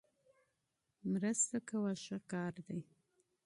مرسته کول ښه کار دی.